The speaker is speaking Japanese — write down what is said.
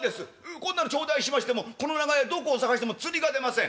こんなの頂戴しましてもこの長屋どこを探しても釣りが出ません」。